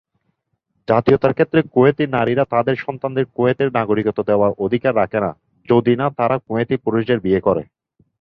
জাতীয়তার ক্ষেত্রে, কুয়েতি নারীরা তাদের সন্তানদের কুয়েতের নাগরিকত্ব দেওয়ার অধিকার রাখে না যদি না তারা কুয়েতীয় পুরুষদের বিয়ে করে।